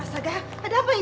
asaga ada apa ini